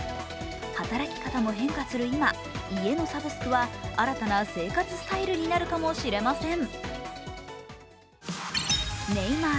働き方も変化する今、家のサブスクは新たな生活スタイルになるかもしれません。